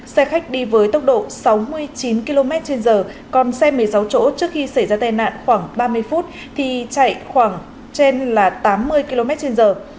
xe khách đi với tốc độ sáu mươi chín km trên giờ còn xe một mươi sáu chỗ trước khi xảy ra tai nạn khoảng ba mươi phút thì chạy khoảng trên là tám mươi km trên giờ